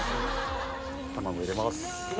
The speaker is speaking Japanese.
卵入れます。